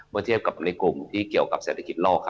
เทียบกับในกลุ่มที่เกี่ยวกับเศรษฐกิจโลก